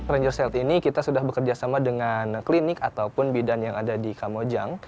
rangers health ini kita sudah bekerjasama dengan klinik ataupun bidan yang ada di kamojang